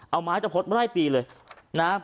เอาไม้ตะพดมาไล่ตีเลยนะ